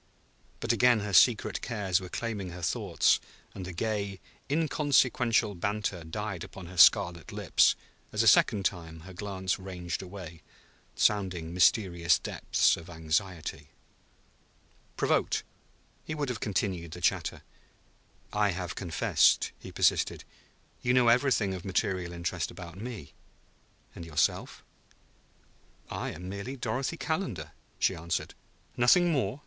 But again her secret cares were claiming her thoughts, and the gay, inconsequential banter died upon her scarlet lips as a second time her glance ranged away, sounding mysterious depths of anxiety. Provoked, he would have continued the chatter. "I have confessed," he persisted. "You know everything of material interest about me. And yourself?" "I am merely Dorothy Calendar," she answered. "Nothing more?"